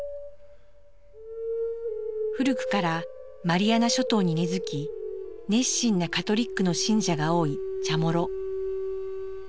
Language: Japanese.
古くからマリアナ諸島に根づき熱心なカトリックの信者が多いチャモロ。